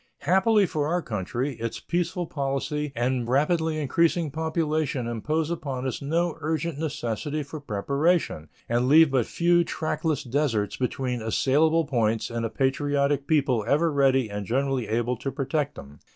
Happily for our country, its peaceful policy and rapidly increasing population impose upon us no urgent necessity for preparation, and leave but few trackless deserts between assailable points and a patriotic people ever ready and generally able to protect them.